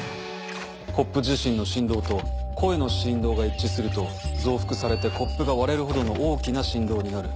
コップ自身の振動と声の振動が一致すると増幅されてコップが割れるほどの大きな振動になる。